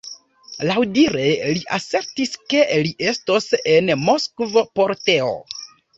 Laŭdire, li asertis, ke li estos en Moskvo por teo.